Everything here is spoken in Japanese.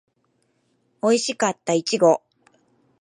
おいしかったいちご